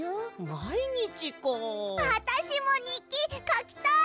あたしもにっきかきたい！